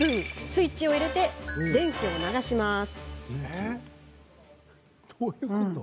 スイッチを入れて電気を流します。